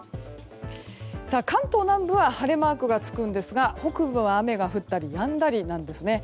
関東南部は晴れマークがつくんですが北部は雨が降ったりやんだりなんです。